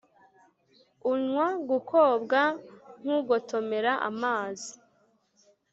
unywa gukobwa nk’ugotomera amazi’